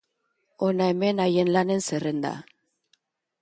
Hona hemen haien lanen zerrenda.